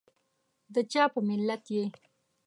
دچا په ملت یي؟